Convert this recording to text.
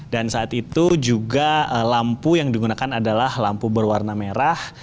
dan saat itu juga lampu yang digunakan adalah lampu berwarna merah